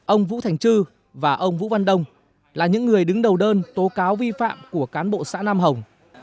ông vũ thành chư và ông vũ văn đông là những người đứng đầu đơn tố cáo vi phạm của cán bộ xã nam hồng